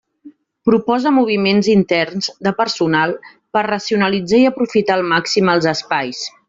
Proposa moviments interns de personal per racionalitzar i aprofitar al màxim els espais.